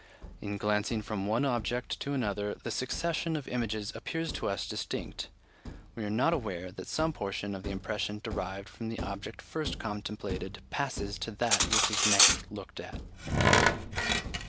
In glancing from one object to another, the succession of images appears to us distinct; we are not aware that some portion of the impression derived from the object first contemplated passes to that which is next looked at.